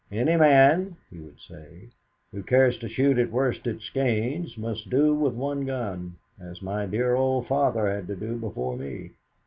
"Any man," he would say, "who cares to shoot at Worsted Skeynes must do with one gun, as my dear old father had to do before me.